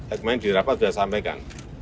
akhirnya di rapat sudah sampaikan